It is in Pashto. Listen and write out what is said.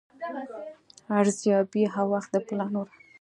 ارزیابي او وخت د پلان نور عناصر دي.